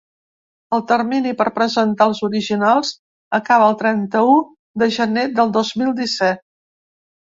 El termini per presentar els originals acaba el trenta-u de gener del dos mil disset.